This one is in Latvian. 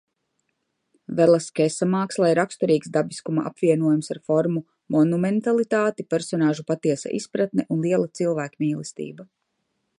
Velaskesa mākslai raksturīgs dabiskuma apvienojums ar formu monumentalitāti, personāžu patiesa izpratne un liela cilvēkmīlestība.